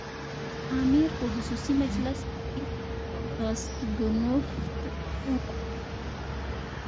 امیر په خصوصي مجلس کې راسګونوف ته وویل.